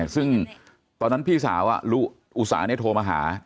ซึ่งตอนนั้นพี่สาวอุตสาหนี้โทรมาหา